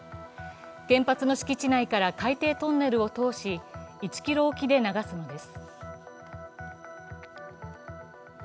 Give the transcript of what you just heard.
原発の敷地内から海底トンネルを通し１ｋｍ沖で流すのです。